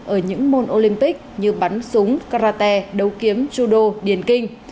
ở những môn olympic như bắn súng karate đấu kiếm trudeau điền kinh